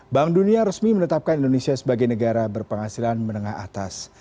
bank dunia resmi menetapkan indonesia sebagai negara berpenghasilan menengah atas